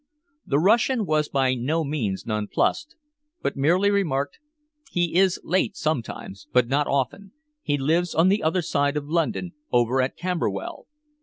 The Russian was by no means nonplused, but merely remarked "He is late sometimes, but not often. He lives on the other side of London over at Camberwell."